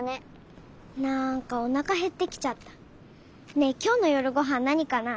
ねえきょうの夜ごはん何かな？